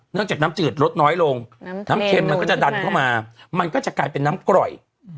จากน้ำจืดลดน้อยลงน้ำเค็มมันก็จะดันเข้ามามันก็จะกลายเป็นน้ำกร่อย